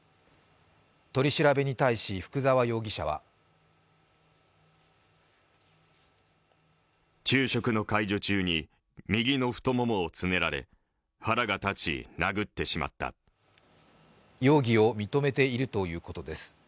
取り調べに対し、福沢容疑者は容疑を認めているということです。